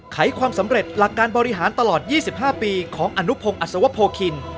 ไขความสำเร็จหลักการบริหารตลอด๒๕ปีของอนุพงศ์อัศวโพคิน